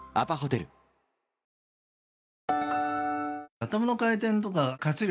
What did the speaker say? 頭の回転とか活力